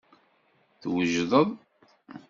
Twejdeḍ.